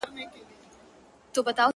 • تور به خلوت وي د ریاکارو ,